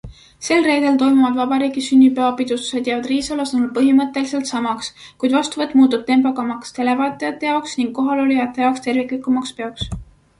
Sel reedel toimuvad vabariigi sünnipäevapidustused jäävad Riisalo sõnul põhimõtteliselt samaks, kuid vastuvõtt muutub tempokamaks televaataja jaoks ning kohalolijate jaoks terviklikumaks peoks.